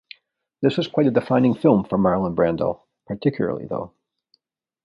This was quite a defining film for Marlon Brando, particularly though.